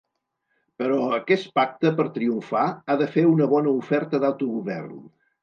Però aquest pacte, per triomfar, ha de fer una bona oferta d’autogovern.